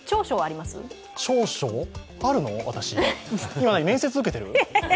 今、面接受けてる？